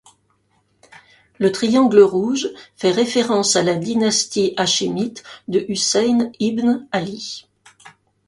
Le triangle rouge fait référence à la dynastie hachémite de Hussein Ibn Ali.